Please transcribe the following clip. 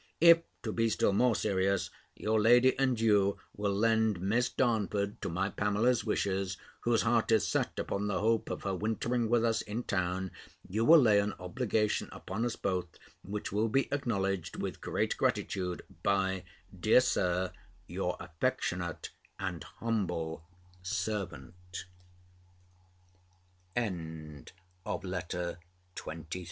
If (to be still more serious) your lady and you will lend Miss Darnford to my Pamela's wishes, whose heart is set upon the hope of her wintering with us in town, you will lay an obligation upon us both; which will be acknowledged with great gratitude by, dear Sir, your affectionate and humble servant. LETTER XXIV _From Sir Simon Darn